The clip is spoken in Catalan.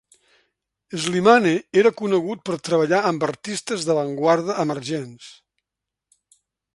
Slimane era conegut per treballar amb artistes d'avantguarda emergents.